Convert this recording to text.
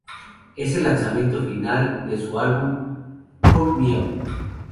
Es el lanzamiento final de su álbum "Hook Me Up".